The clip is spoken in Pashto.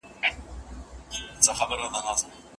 د تر لاسه کولو هڅي ئې کوي.